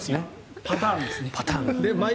パターンですね。